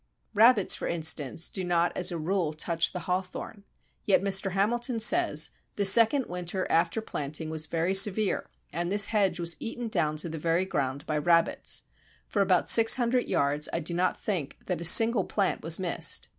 Rabbits, for instance, do not as a rule touch the Hawthorn, yet Mr. Hamilton says, "The second winter after planting was very severe and this hedge was eaten down to the very ground by rabbits. For about 600 yards I do not think that a single plant was missed."